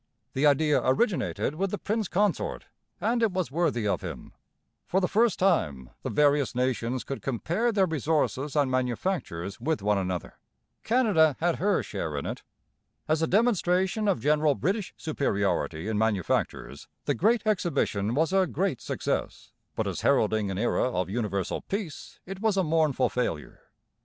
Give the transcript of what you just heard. The idea originated with the Prince Consort, and it was worthy of him. For the first time the various nations could compare their resources and manufactures with one another. Canada had her share in it. As a demonstration of general British superiority in manufactures the Great Exhibition was a great success; but as heralding an era of universal peace it was a mournful failure.